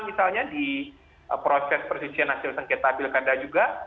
misalnya di proses persisian hasil sengketa pilkada juga